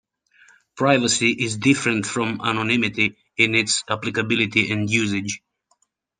Privacy is different from anonymity in its applicability and usage.